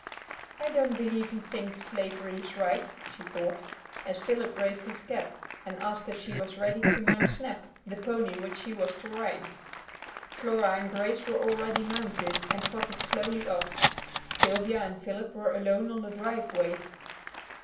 "I don't believe he thinks slavery is right," she thought, as Philip raised his cap, and asked if she was ready to mount "Snap," the pony which she was to ride. Flora and Grace were already mounted, and trotted slowly off. Sylvia and Philip were alone on the driveway.